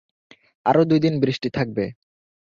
আরও দুই দিন বৃষ্টি থাকবে।